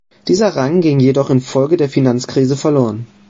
Dieser Rang ging jedoch infolge der Finanzkrise verloren.